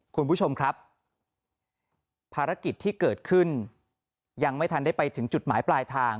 คุณผู้ชมครับภารกิจที่เกิดขึ้นยังไม่ทันได้ไปถึงจุดหมายปลายทาง